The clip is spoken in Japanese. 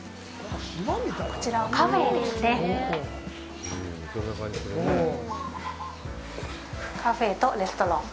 こちらはカフェですね。